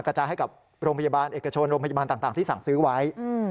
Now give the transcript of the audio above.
กระจายให้กับโรงพยาบาลเอกชนโรงพยาบาลต่างที่สั่งซื้อไว้